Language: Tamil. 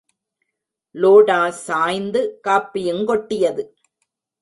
லோடா சாய்ந்து காபியுங் கொட்டியது.